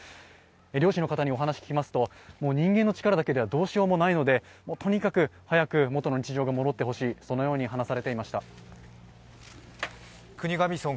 漁師の方にお話聞きますと、人間の力ではどうしようもないのでとにかく早く元の日常が戻ってほしいと話されていました。